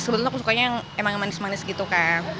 sebetulnya aku sukanya yang emang manis manis gitu kan